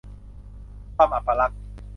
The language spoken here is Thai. ความอัปลักษณ์